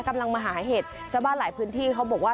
กำลังมาหาเห็ดชาวบ้านหลายพื้นที่เขาบอกว่า